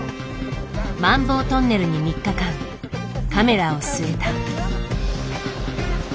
マンボウトンネルに３日間カメラを据えた。